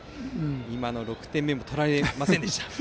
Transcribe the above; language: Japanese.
今の６点目も取られませんでした。